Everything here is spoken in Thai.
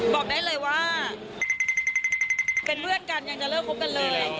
บอกได้เลยว่าเป็นเพื่อนกันยังจะเลิกคบกันเลย